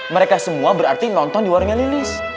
mereka semua berarti nonton di warung yang lilis